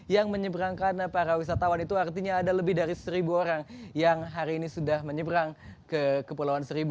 yang menyeberangkan para wisatawan itu artinya ada lebih dari seribu orang yang hari ini sudah menyeberang ke kepulauan seribu